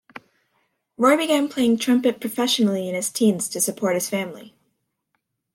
Roy began playing trumpet professionally in his teens to support his family.